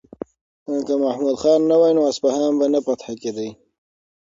که محمود خان نه وای نو اصفهان به نه فتح کېدو.